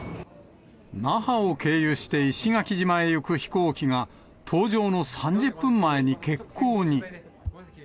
那覇を経由して石垣島へ行く飛行機が、搭乗の３０分前に欠航に。